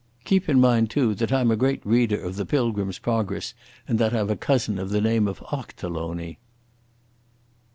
Keep in mind, too, that I'm a great reader of the Pilgrim's Progress and that I've a cousin of the name of Ochterlony."